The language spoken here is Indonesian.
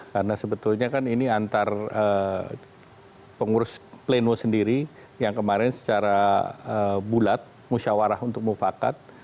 karena sebetulnya kan ini antara pengurus plenwo sendiri yang kemarin secara bulat musyawarah untuk mufakat